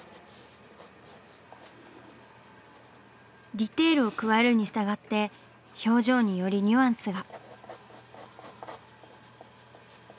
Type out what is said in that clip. ディテールを加えるにしたがって表情によりニュアンスが。